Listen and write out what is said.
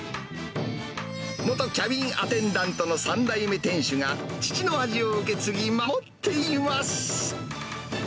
元キャビンアテンダントの３代目店主が、父の味を受け継ぎ、守っています。